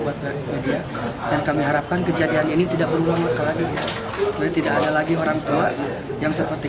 buat dari media dan kami harapkan kejadian ini tidak berulang lagi tidak ada lagi orang tua yang seperti